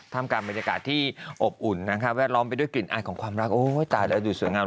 ทำการบรรยากาศที่อบอุ่นนะคะแวดล้อมไปด้วยกลิ่นอายของความรักโอ้ยตายแล้วดูสวยงาม